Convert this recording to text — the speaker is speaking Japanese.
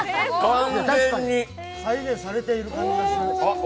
確かに、再現されている感じがする。